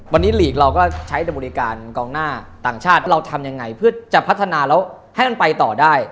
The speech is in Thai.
วันนี้หลีกเราก็ใช้บริการกองหน้าต่างชาติเราทำยังไงเพื่อจะพัฒนาแล้วให้มันไปต่อได้